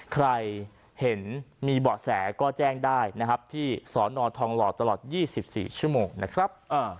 ใครเห็นมีเบาะแสก็แจ้งได้นะครับที่สนทองหล่อตลอด๒๔ชั่วโมงนะครับ